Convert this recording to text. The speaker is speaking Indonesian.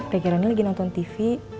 teh kirani lagi nonton tv